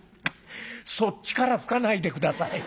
そっちから吹かないで下さい。